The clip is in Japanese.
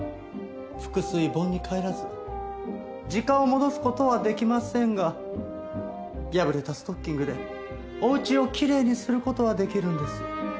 時間を戻す事はできませんが破れたストッキングでお家をきれいにする事はできるんです。